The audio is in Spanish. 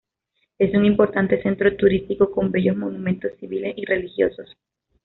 Es un importante centro turístico con bellos monumentos civiles y religiosos.